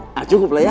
nah cukup lah ya